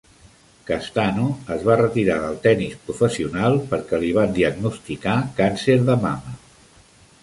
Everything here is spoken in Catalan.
Castano es va retirar del tennis professional perquè li van diagnosticar càncer de mama.